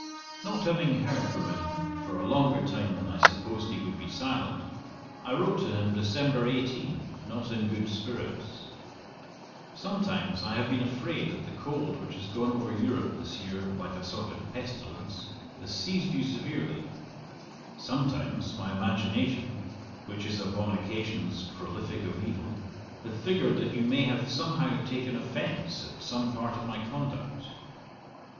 "' Not having heard from him for a longer time than I supposed he would be silent, I wrote to him December 18, not in good spirits: 'Sometimes I have been afraid that the cold which has gone over Europe this year like a sort of pestilence has seized you severely: sometimes my imagination, which is upon occasions prolifick of evil, hath figured that you may have somehow taken offence at some part of my conduct.'